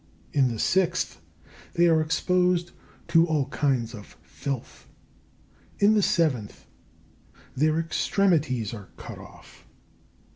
In the sixth, they are exposed to all kinds of filth. In the seventh, their extremities are cut off.